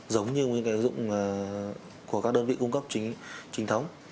giống như những ứng dụng của các đơn vị cung cấp trình thống